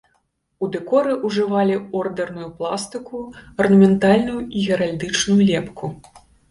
У дэкоры ўжывалі ордэрную пластыку, арнаментальную і геральдычную лепку.